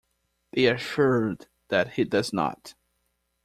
Be assured that he does not!